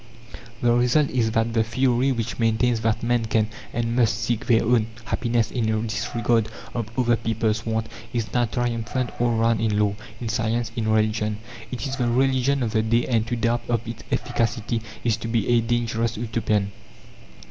The result is, that the theory which maintains that men can, and must, seek their own happiness in a disregard of other people's wants is now triumphant all round in law, in science, in religion. It is the religion of the day, and to doubt of its efficacy is to be a dangerous Utopian.